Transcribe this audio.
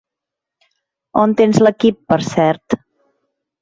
On tens l'equip, per cert?